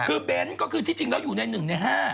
คือเบ้นก็คือที่จริงแล้วอยู่ใน๑ใน๕